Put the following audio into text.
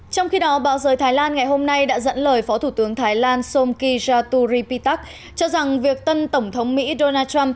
trong khi đó bạo giới thái lan ngày hôm nay đã dẫn lời phó thủ tướng thái lan somkiy jaturi pittak cho rằng việc tân tổng thống mỹ donald trump